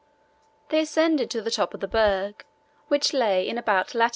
They ascended to the top of the berg, which lay in about lat.